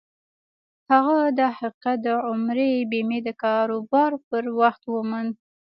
هغه دا حقيقت د عمري بيمې د کاروبار پر وخت وموند.